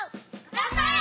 がんばれ！